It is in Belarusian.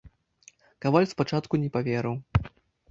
Каваль спачатку не паверыў.